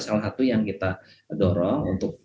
salah satu yang kita dorong untuk